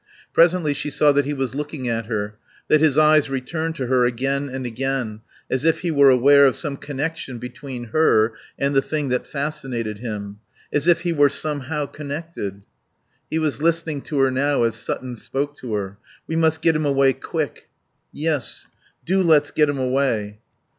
Presently she saw that he was looking at her, that his eyes returned to her again and again, as if he were aware of some connection between her and the thing that fascinated him, as if he were somehow connected. He was listening to her now as Sutton spoke to her. "We must get him away quick." "Yes. Do let's get him away."